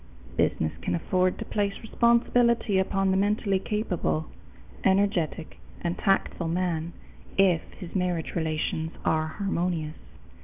Business can afford to place responsibility upon the mentally capable, energetic, and tactful man if his marriage relations are harmonious.